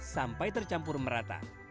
sampai tercampur merata